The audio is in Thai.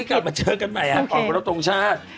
พรุ่งนี้กลับมาเจอกันใหม่ฮะขอบคุณครับตรงชาติ